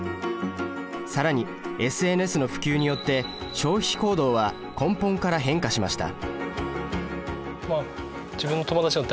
更にＳＮＳの普及によって消費行動は根本から変化しました。